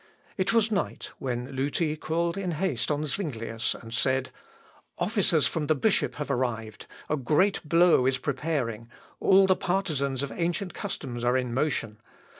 It was night when Luti called in haste on Zuinglius, and said, "Officers from the bishop have arrived; a great blow is preparing: all the partisans of ancient customs are in motion.